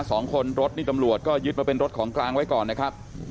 สองคนรถนี่ตำรวจก็ยึดมาเป็นรถของกลางไว้ก่อนนะครับ